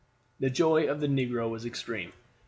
The joy of the negro was extreme.